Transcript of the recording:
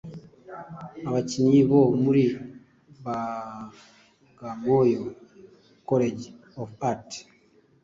abakinnyi bo muri Bagamoyo College of Art